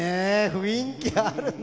雰囲気あるね。